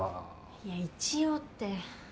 いや一応って。